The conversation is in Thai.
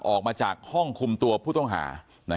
เพราะไม่เคยถามลูกสาวนะว่าไปทำธุรกิจแบบไหนอะไรยังไง